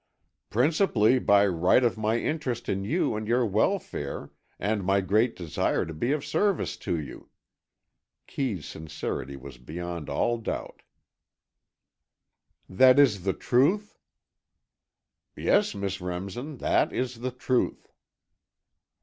"Principally by right of my interest in you and your welfare and my great desire to be of service to you." Kee's sincerity was beyond all doubt. "That is the truth?" "Yes, Miss Remsen, that is the truth."